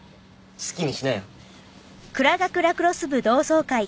好きにしなよ。